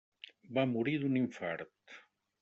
Va morir d'un infart.